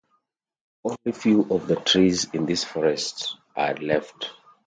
Only few of the trees in this forest are left.